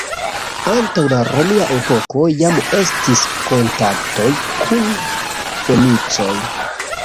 Antaŭ la romia epoko jam estis kontaktoj kun fenicoj.